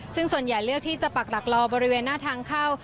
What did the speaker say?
ซึ่งส่วนใหญ่เลือกที่จะปักหลักรอบริเวณหน้าทางเข้า